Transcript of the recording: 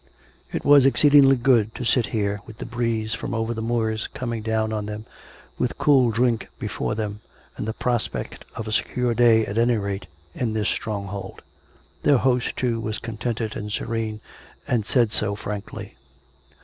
It was exceedingly good to sit here, with the breeze from over the moors coming down on them, with cool drink be fore them, and the prospect of a secure day, at any rate, in this stronghold. Their host, too, was contented and serene, and said so, frankly.